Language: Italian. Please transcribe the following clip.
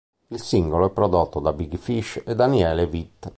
Il singolo è prodotto da Big Fish e Daniele Vit.